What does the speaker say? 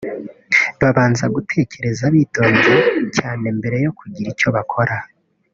babanza gutekereza bitonze cyane mbere yo kugira icyo bakora